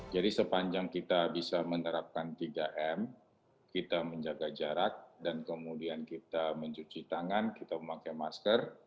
jadi sepanjang kita bisa menerapkan tiga m kita menjaga jarak dan kemudian kita mencuci tangan kita memakai masker